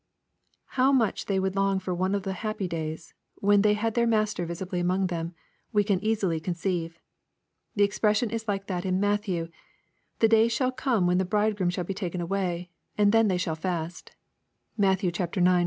How much they would long for one of the happy days, when they had their Master visibly among them, we can easily conceive. The expression is like that in Matthew, " The days shall come when the bridegroom shall be taken away, and then shall they fast'* (Matt.